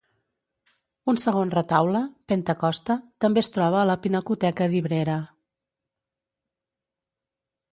Un segon retaule, "Pentecosta", també es troba a la Pinacoteca di Brera.